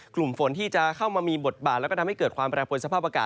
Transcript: กลุ่มฝนที่จะเข้ามามีบทบาทแล้วก็ทำให้เกิดความแปรปวนสภาพอากาศ